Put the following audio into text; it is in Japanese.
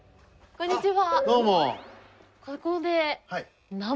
こんにちは。